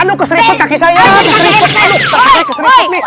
aduh kaki saya keseriput nih